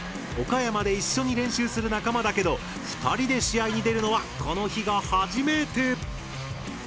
岡山で一緒に練習する仲間だけど２人で試合に出るのはこの日が初めて。